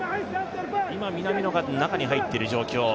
今、南野が中に入っている状況。